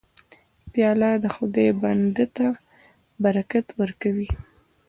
پیاله د خدای بنده ته برکت ورکوي.